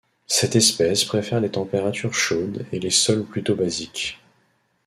Cette espèce préfère les températures chaudes et les sols plutôt basiques.